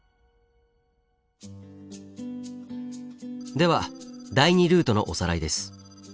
では第２ルートのおさらいです。